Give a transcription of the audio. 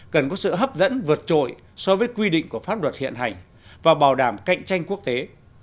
cần có sự hấp dẫn vượt trội so với quy định của pháp luật hiện hành và bảo đảm cạnh tranh quốc tế